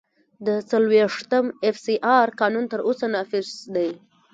د څلوېښتم اېف سي آر قانون تر اوسه نافذ دی.